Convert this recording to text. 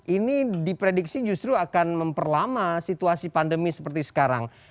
ini diprediksi justru akan memperlama situasi pandemi seperti sekarang